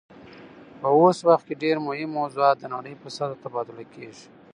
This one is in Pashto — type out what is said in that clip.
په اوس وخت کې ډیر مهم موضوعات د نړۍ په سطحه تبادله کیږي